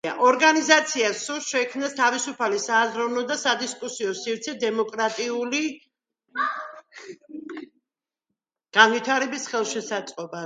ორგანიზაციას სურს შექმნას თავისუფალი სააზროვნო და სადისკუსიო სივრცე დემოკრატიული განვითარების ხელშესაწყობად.